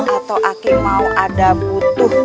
atau aki mau ada butuh